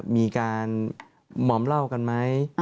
มีการมอมเหล้ากันไหม